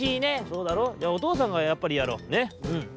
「そうだろおとうさんがやっぱりやろうねうん。